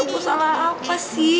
gue salah apa sih